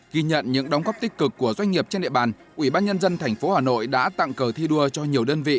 ghi nhận những đóng góp tích cực của doanh nghiệp trên địa bàn ủy ban nhân dân tp hà nội đã tặng cờ thi đua cho nhiều đơn vị